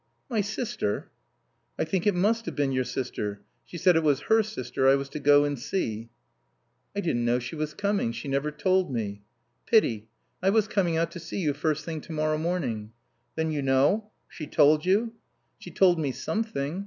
"My sister?" "I think it must have been your sister. She said it was her sister I was to go and see." "I didn't know she was coming. She never told me." "Pity. I was coming out to see you first thing tomorrow morning." "Then you know? She told you?" "She told me something."